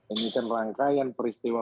ini kan rangkaian peristiwa